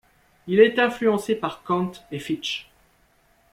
Il est influencé par Kant et Fichte.